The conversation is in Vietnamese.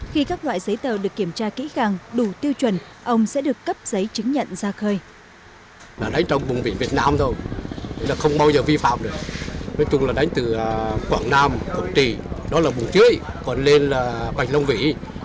khi các loại giấy tờ được kiểm tra kỹ càng đủ tiêu chuẩn ông sẽ được cấp giấy chứng nhận ra khơi